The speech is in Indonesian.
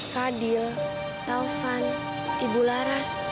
fadil taufan ibu laras